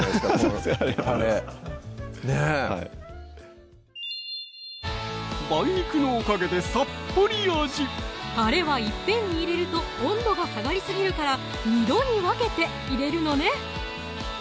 このたれねぇはい梅肉のおかげでさっぱり味たれはいっぺんに入れると温度が下がりすぎるから２度に分けて入れるのね